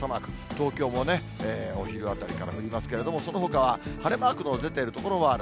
東京もお昼あたりから降りますけれども、そのほかは晴れマークの出ている所はある。